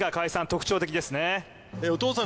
特徴的ですね